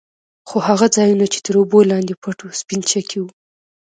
خو هغه ځايونه يې چې تر اوبو لاندې پټ وو سپينچکي وو.